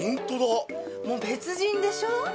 もう別人でしょ。